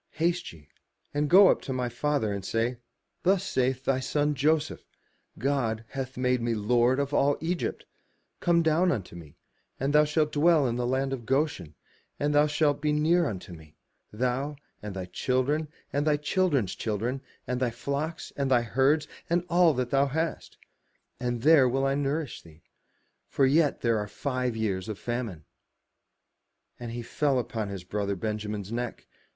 Haste ye, and go up to my father, and say, *Thus saith thy son Joseph, *God hath made me Lord of all Egypt: come down unto me, and thou shalt dwell in the land of Goshen, and thou shalt be near unto me, thou, and thy children, and thy children's children, and thy flocks, and thy herds, and all that thou hast: and there will I nourish thee; for yet there are five years of famine*. And he fell upon his brother Benjamin's neck.